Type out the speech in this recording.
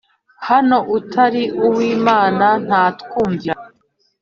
naho utari uw'Imana ntatwumvira.